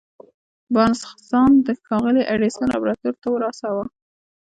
بارنس ځان د ښاغلي ايډېسن لابراتوار ته ورساوه.